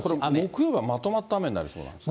木曜日はまとまった雨になりそうなんですか？